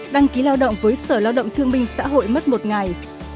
đăng ký lao động với sở lao động thương minh xã hội mất một ngày